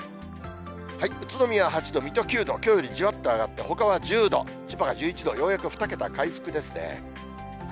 宇都宮は８度、水戸９度、きょうよりじわっと上がって、ほかは１０度、千葉が１１度、ようやく２桁回復ですね。